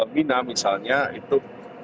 minah misalnya itu